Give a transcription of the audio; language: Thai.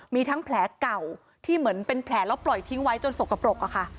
มีทั้งแผลเก่าที่เหมือนเป็นแผลแล้วปล่อยทิ้งไว้จนสกปรกอะค่ะ